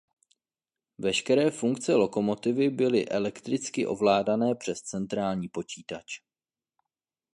Veškeré funkce lokomotivy byly elektricky ovládané přes centrální počítač.